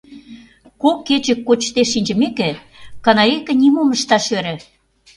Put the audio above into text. Кок кече кочде шинчымеке, канарейке нимом ышташ ӧрӧ.